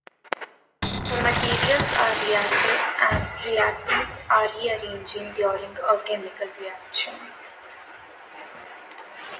The materials are reactive and reactants are rearranging during a chemical reaction.